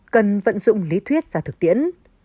cần vận dụng lý thuyết ra thực tiễn